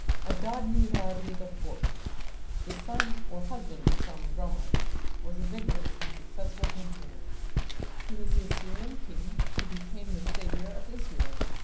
Adad nirari IV, the son or husband of Sammu rammat, was a vigorous and successful campaigner. He was the Assyrian king who became the "saviour" of Israel.